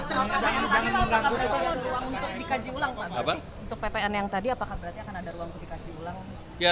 apa berarti untuk ppn yang tadi akan ada ruang untuk dikaji ulang